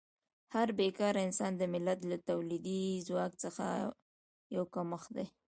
هر بېکاره انسان د ملت له تولیدي ځواک څخه یو کمښت دی.